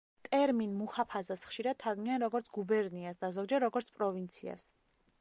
ტერმინ „მუჰაფაზას“ ხშირად თარგმნიან როგორც „გუბერნიას“ და ზოგჯერ როგორც „პროვინციას“.